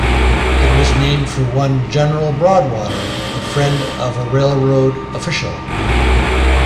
It was named for one General Broadwater, the friend of a railroad official.